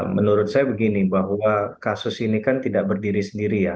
menurut saya begini bahwa kasus ini kan tidak berdiri sendiri ya